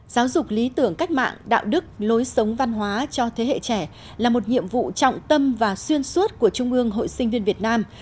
giáo dục lý tưởng cách mạng đạo đức lối sống văn hóa cho thế hệ trẻ là một nhiệm vụ trọng tâm và xuyên suốt của trung ương hội sinh viên việt nam